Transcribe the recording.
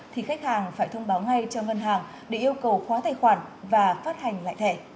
thì khách hàng phải thông báo ngay cho ngân hàng để yêu cầu khóa tài khoản và phát hành lại thẻ